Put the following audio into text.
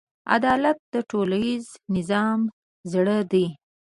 عدالت د ټولنیز نظم زړه دی.